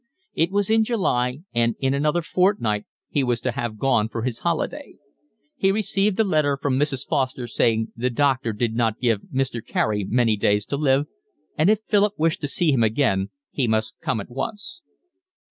It was in July, and in another fortnight he was to have gone for his holiday. He received a letter from Mrs. Foster to say the doctor did not give Mr. Carey many days to live, and if Philip wished to see him again he must come at once.